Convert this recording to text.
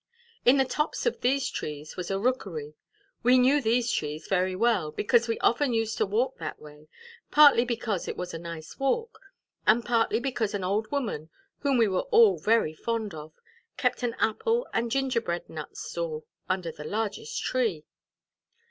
In the tops of these trees was a rookery; we knew these trees very well, because we often used to walk that way, partly because it was a nice walk, and partly because an old woman, whom we were all very fond of, kept an apple and gingerbread nut stall under the largest tree.